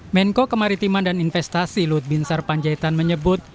menko kemaritiman dan investasi lut binsar panjaitan menyebut